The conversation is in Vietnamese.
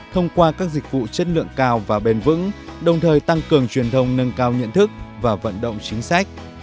thông qua các dịch vụ chất lượng cao và bền vững đồng thời tăng cường truyền thông nâng cao nhận thức và vận động chính sách